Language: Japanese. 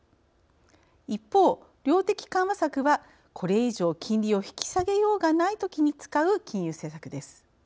一方、量的緩和策はこれ以上、金利を引き下げようがないときに使う金融政策です。